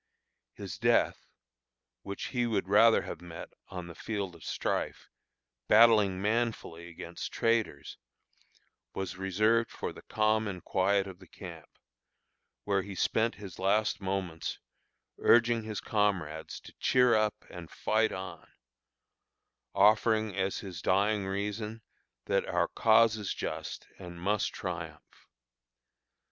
His death, which he would rather have met on the field of strife, battling manfully against traitors, was reserved for the calm and quiet of the camp, where he spent his last moments urging his comrades to "cheer up and fight on," offering as his dying reason, that "our cause is just, and must triumph."